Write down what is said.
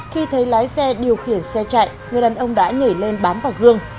khi thấy lái xe điều khiển xe chạy người đàn ông đã nhảy lên bám vào gương